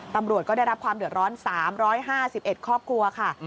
ตำรวจก็ได้รับความเดือดร้อน๓๕๑ครอบครัวค่ะ